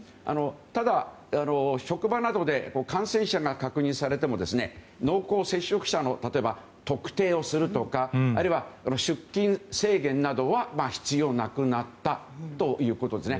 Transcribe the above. ただ、職場などで感染者が確認されても濃厚接触者の例えば特定をするとかあるいは出勤制限などは必要なくなったということです。